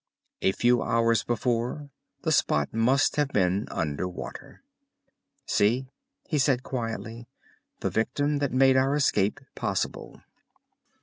A few hours before the spot must have been under water. "See," he said quietly, "the victim that made our escape possible!"